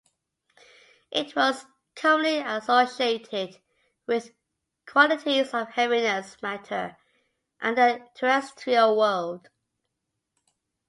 It was commonly associated with qualities of heaviness, matter and the terrestrial world.